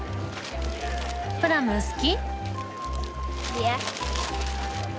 プラム好き？